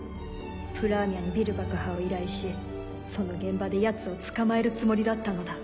プラーミャにビル爆破を依頼しその現場でヤツを捕まえるつもりだったのだ。